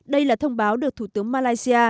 đây là thông báo được thủ tướng malaysia